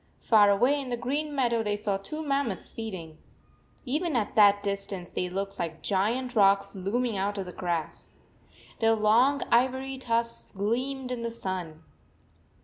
Far away in the green meadow they saw two mammoths feeding. Even at that distance they looked like giant rocks looming out of the grass. Their long ivory tusks gleamed in the sun.